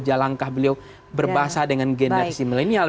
jalan langkah beliau berbahasa dengan generasi milenial